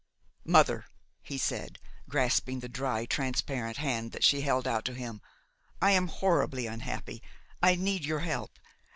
"Mother," he said grasping the dry, transparent hand that she held out to him, "I am horribly unhappy, I need your help.